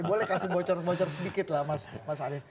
boleh kasih bocor bocor sedikit lah mas arief